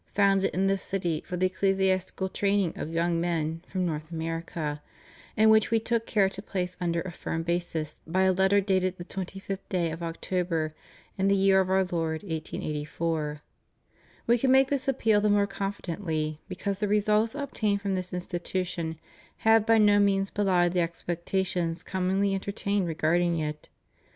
founded in this city for the ecclesiastical training of young men from North America, and which We took care to place upon a firm basis by a letter dated the twenty fifth day of October, in the year of Our Lord 1884 We can make this appeal the more confidently, because the results obtained from this institution have by no means belied the expectations commonly entertained regarding it.